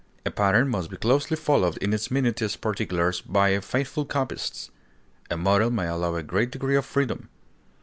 A pattern must be closely followed in its minutest particulars by a faithful copyist; a model may allow a great degree of freedom.